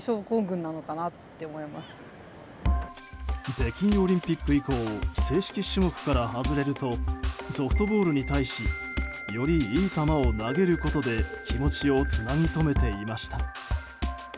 北京オリンピック以降正式種目から外れるとソフトボールに対しより良い球を投げることで気持ちをつなぎとめていました。